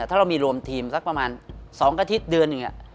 ถ้าเรามีรวมทีมสักประมาณ๒อาทิตย์เดือนหนึ่ง